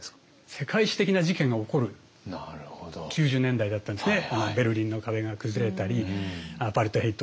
世界史的な事件が起こる９０年代だったんですね。